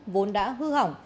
vốn đã hư hỏng